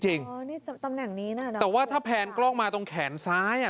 อ๋อนี่ตำแหน่งนี้น่ะนะแต่ว่าถ้าแพนกล้องมาตรงแขนซ้ายอ่ะ